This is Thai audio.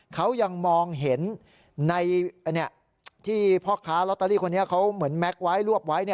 เขายังมองเห็นในที่พ่อค้าลอตเตอรี่คนนี้เขาเหมือนแม็กซ์ไว้รวบไว้